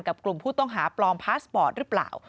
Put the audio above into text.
กลุ่มผู้ต้องหาปลอมพาสปอร์ตหรือเปล่า